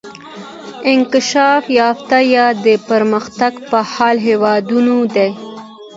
انکشاف یافته یا د پرمختګ په حال هیوادونه دي.